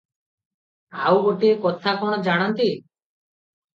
ଆଉ ଗୋଟିଏ କଥା କଣ ଜାଣନ୍ତି?